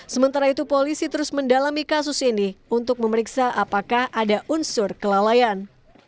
sementara itu polisi terus mendalami kasus ini untuk memeriksa apakah ada unsur kelalaian